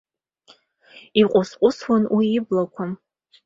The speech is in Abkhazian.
Иҟәысҟәысуан уи иблақәагьы.